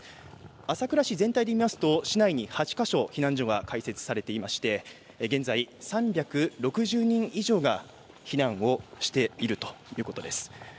朝倉市全体で見ますと市内に８か所、避難所は開設されていまして現在３６０人以上が避難をしているということです。